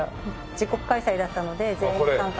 自国開催だったので全員参加だったので。